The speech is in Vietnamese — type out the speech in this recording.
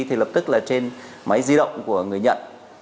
thì lập tức là trên máy di động của người nhận